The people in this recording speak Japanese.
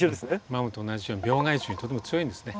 マムと同じように病害虫にとても強いんですね。